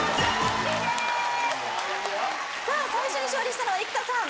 最初に勝利したのは生田さん。